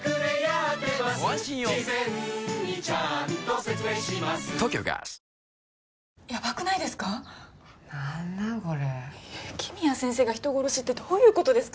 雪宮先生が人殺しってどういう事ですかね？